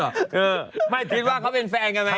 ไม่ได้ว่าจะทำอะไรกลัวเขาเป็นแฟนกันไหมอ่ะ